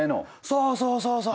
そうそうそうそう。